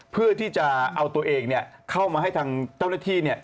เพื่อที่จะเอาตัวเองเข้ามาให้ทางเจ้าหน้าที่